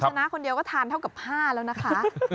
ชนะคนเดียวก็ทานเท่ากับ๕แล้วนะคะ